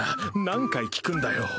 何回聞くんだよ。